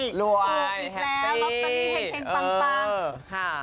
ถูกแล้วลอตเตอรี่แห่งปัง